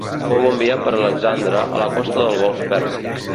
Fou enviat per Alexandre a la costa del Golf Pèrsic.